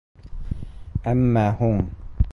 Әммә һуң...